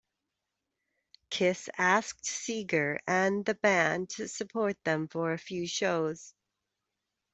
Kiss asked Seger and the band to support them for a few shows.